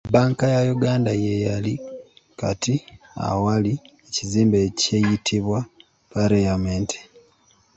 Banka ya Uganda yeeyali kati awali ekizimbe ekiyitibwa Parliament.